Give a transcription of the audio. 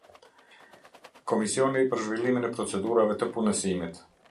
Komisioni për zhvillimin e procedurave të punësimit.